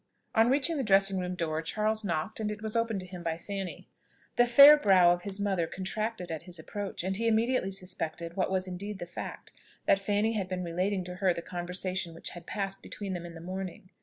On reaching the dressing room door, Charles knocked, and it was opened to him by Fanny. The fair brow of his mother contracted at his approach; and he immediately suspected, what was indeed the fact, that Fanny had been relating to her the conversation which had passed between them in the morning.